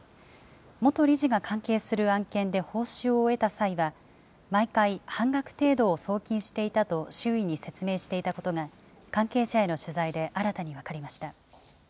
元理事が関係する案件で報酬を得た際は、毎回、半額程度を送金していたと周囲に説明していたことが、関係者への取材で新たに分かりました。